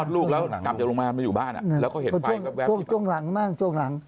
แล้วแม่ลูกอ่อน